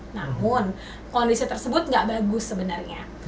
namun kondisi tersebut nggak bagus sebenarnya